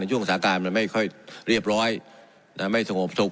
ในช่วงสาขามันไม่ค่อยเรียบร้อยนะไม่สงบสุข